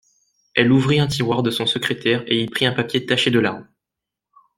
Elle ouvrit un tiroir de son secrétaire et y prit un papier taché de larmes.